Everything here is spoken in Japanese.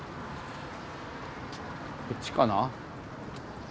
こっちかな？